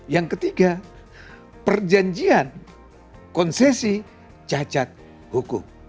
yang ketiga perjanjian konsesi cacat hukum